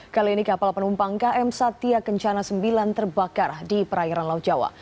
kali ini kapal penumpang km satya kencana sembilan terbakar di perairan laut jawa